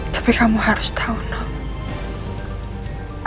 tapi kamu harus tahu no